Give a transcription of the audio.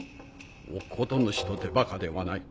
乙事主とてバカではない。